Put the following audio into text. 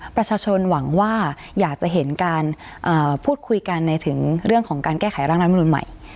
ประชาชนหวังว่าอยากจะเห็นการพูดคุยกันในถึงเรื่องของการแก้ไขร่างรัฐมนุนใหม่